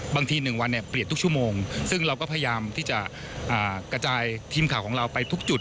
๑วันเปลี่ยนทุกชั่วโมงซึ่งเราก็พยายามที่จะกระจายทีมข่าวของเราไปทุกจุด